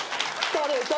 誰？